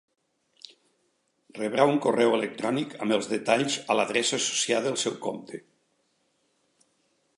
Rebrà un correu electrònic amb els detalls a l'adreça associada al seu compte.